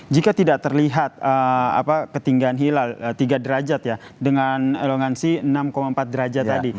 jika tidak terlihat ketinggian hilal tiga derajat ya dengan elongansi enam empat derajat tadi